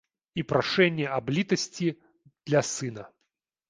І прашэнні аб літасці для сына.